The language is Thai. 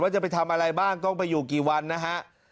จะไปทำอะไรบ้างต้องไปอยู่กี่วันนะฮะ